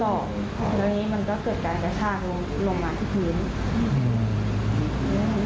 ตอนนี้มันก็เกิดการละชาปลงมาทำได้